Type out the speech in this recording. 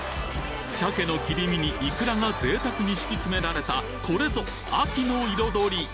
鮭の切り身にイクラがぜいたくに敷き詰められたこれぞ秋の彩！